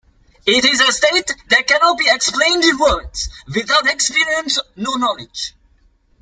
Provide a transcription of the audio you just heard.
It is a state that cannot be explained in words: 'without experience no knowledge.